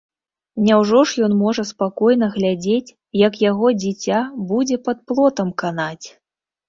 Няўжо ж ён можа спакойна глядзець, як яго дзіця будзе пад плотам канаць!